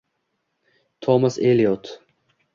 Tomas Eliot